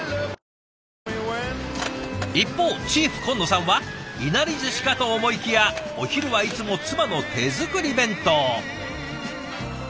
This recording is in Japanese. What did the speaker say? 一方チーフ金野さんはいなりずしかと思いきやお昼はいつも妻の手作り弁当。